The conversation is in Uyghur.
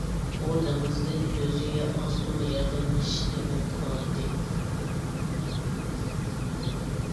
ئۇ، دېڭىزدىن ئۆزىگە ئاز-تولا ياردەملىشىشنى ئۈمىد قىلاتتى.